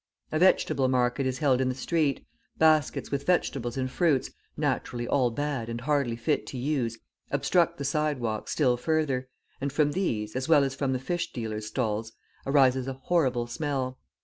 A vegetable market is held in the street, baskets with vegetables and fruits, naturally all bad and hardly fit to use, obstruct the sidewalk still further, and from these, as well as from the fish dealers' stalls, arises a horrible smell.